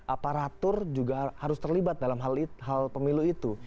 aparatur juga harus terlibat dalam hal pemilu itu